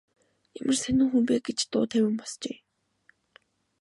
Ямар сонин хүн бэ гэж дуу тавин босжээ.